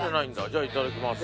じゃあいただきます。